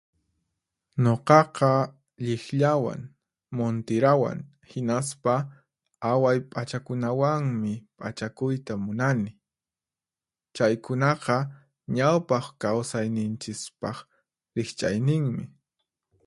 Nuqaqa lliqllawan, muntirawan, hinaspa away p'achakunawanmi p'achakuyta munani. Chaykunaqa ñawpaq kawsayninchispaq riqch'ayninmi.